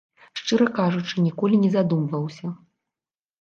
Шчыра кажучы, ніколі не задумваўся.